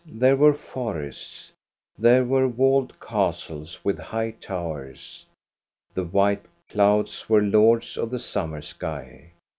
There were forests. There were walled castles with high towers. The white clouds were lords of the summer sky.